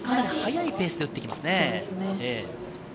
早いペースで撃ってきますね。